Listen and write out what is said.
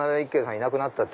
いなくなった！って。